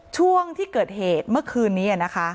ช่วงที่เกิดเหตุเมื่อคืนนี้นะคะ